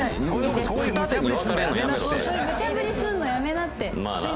そういうむちゃ振りするのやめなって。